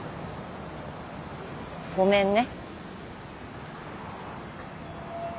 ごめんね。